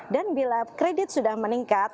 dan bila kredit sudah meningkat